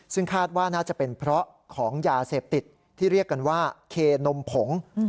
ซึ่งคาดว่าน่าจะเป็นเพราะของยาเสพติดที่เรียกกันว่าเคนมผง